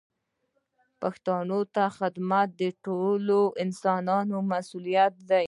پښتو ته خدمت د ټولو افغانانو مسوولیت دی.